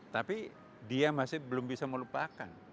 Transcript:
tapi dia masih belum bisa melupakan